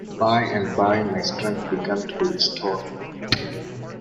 By and by my strength began to be restored.